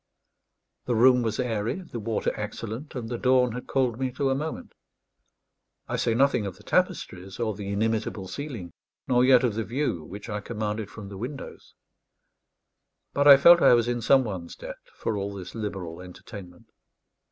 The room was airy, the water excellent, and the dawn had called me to a moment. I say nothing of the tapestries or the inimitable ceiling, nor yet of the view which I commanded from the windows; but I felt I was in some one's debt for all this liberal entertainment.